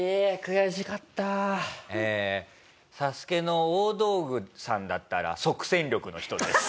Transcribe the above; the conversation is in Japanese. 『ＳＡＳＵＫＥ』の大道具さんだったら即戦力の人です。